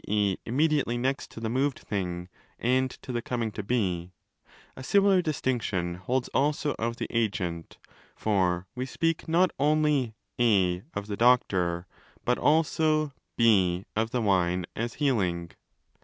e. immediately next to the moved thing and to the coming to be.! A similar distinction holds also of the agent: for we speak not only (4) of the doctor, but also (4) of the wine, as healing.